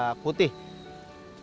itu menandakan bahwa dia memakai bida putih